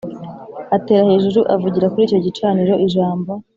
Atera hejuru avugira kuri icyo gicaniro ijambo